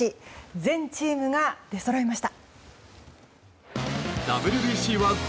全チームが出そろいました。